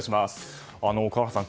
川原さん